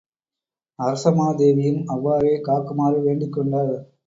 அரசமாதேவியும் அவ்வாறே காக்குமாறு வேண்டிக் கொண்டாள்.